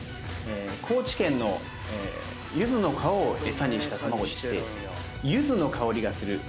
高知県のゆずの皮を餌にした卵でしてゆずの香りがする卵ですね。